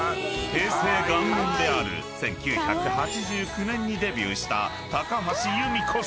［平成元年である１９８９年にデビューした］